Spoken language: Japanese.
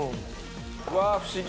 うわー不思議。